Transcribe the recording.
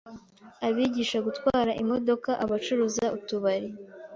abigisha gutwara imodoka, abacuruza utubari